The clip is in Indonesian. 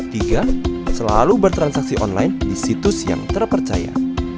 tiga selalu bertransaksi online di situs yang terpercaya